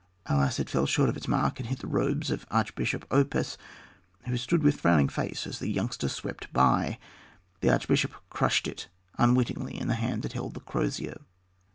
Alas, it fell short of its mark and hit the robes of Archbishop Oppas, who stood with frowning face as the youngster swept by. The archbishop crushed it unwittingly in the hand that held the crosier.